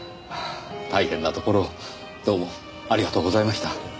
大変なところどうもありがとうございました。